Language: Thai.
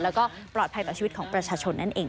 แล้วก็ปลอดภัยต่อชีวิตของประชาชนนั่นเอง